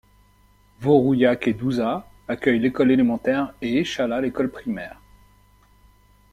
Vaux-Rouillac et Douzat accueillent l'école élémentaire et Échallat l'école primaire.